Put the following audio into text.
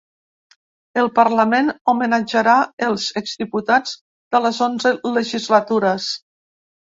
El parlament homenatjarà els ex-diputats de les onze legislatures.